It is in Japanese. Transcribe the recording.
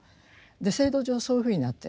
制度上はそういうふうになっている。